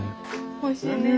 おいしいね。